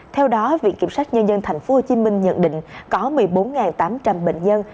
theo đó viện kiểm sát nhân dân tp hcm nhận định có một mươi bốn tám trăm linh bệnh nhân